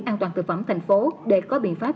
an toàn thực phẩm thành phố để có biện pháp